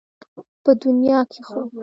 په دنيا کې خو